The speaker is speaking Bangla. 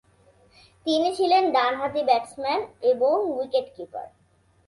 তিনি ছিলেন ডানহাতি ব্যাটসম্যান এবং উইকেট কিপার।